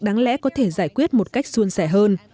đáng lẽ có thể giải quyết một cách xuân sẻ hơn